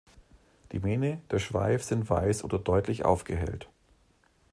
Die Mähne, der Schweif sind weiß oder deutlich aufgehellt.